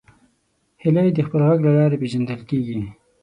هیلۍ د خپل غږ له لارې پیژندل کېږي